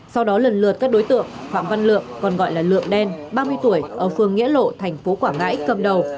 sau đó lần lượt các đối tượng phạm văn lượng còn gọi là lượng đen ba mươi tuổi ở phường nghĩa lộ thành phố quảng ngãi cầm đầu